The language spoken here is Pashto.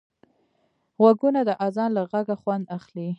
غوږونه د اذان له غږه خوند اخلي